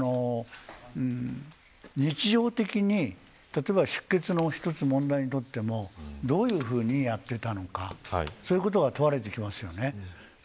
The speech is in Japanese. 日常的に、例えば出欠の一つ問題をとってもどういうふうにやっていたのかそういうことが問われてきますよね。